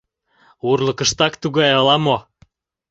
Урлыкыштак тугай ала-мо...